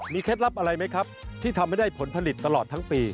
เคล็ดลับอะไรไหมครับที่ทำให้ได้ผลผลิตตลอดทั้งปี